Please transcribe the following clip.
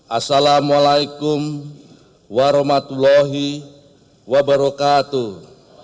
assalamualaikum warahmatullahi wabarakatuh